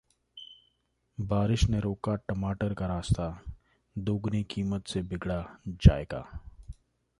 बारिश ने रोका टमाटर का रास्ता, दोगुनी कीमत से बिगड़ा जायका